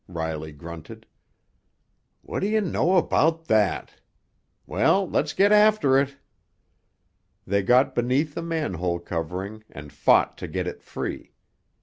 Riley grunted. "What do you know about that? Well—let's get after it!" They got beneath the manhole covering and fought to get it free.